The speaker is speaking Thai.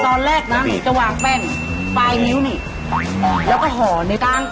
ส่วนแรกนะจะวางแป้งปลายนิ้วนี่แล้วก็ห่อในกลางนิ้วหน่อย